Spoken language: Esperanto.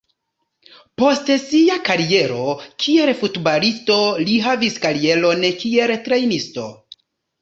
Post sia kariero kiel futbalisto, li havis karieron kiel trejnisto.